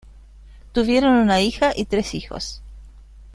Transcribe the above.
Tuvieron una hija y tres hijos.